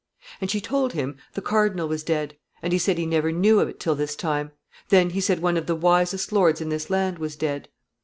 "And she told him the cardinal was dead, and he said he never knew of it till this time; then he said one of the wisest lords in this land was dead.